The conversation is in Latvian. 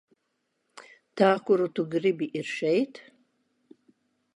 Tā kuru tu gribi, ir šeit?